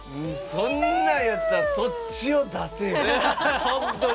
そんなんやったらそっちを出せよ。